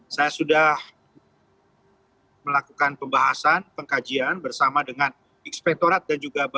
saya sudah melakukan pembahasan pengkajian bersama dengan inspektorat dan juga badan